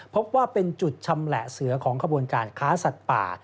พบว่าเป็นจุดชำแหละเสือของขบวนการค้าสัตว์ป่า